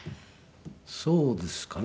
そうですかね？